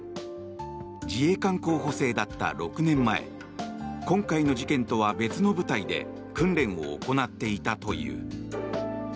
自衛官候補生だった６年前今回の事件とは別の部隊で訓練を行っていたという。